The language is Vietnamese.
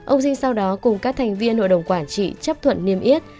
ông dinh sau đó cùng các thành viên hội đồng quản trị chấp thuận niêm yết